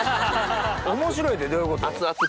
面白いってどういうこと？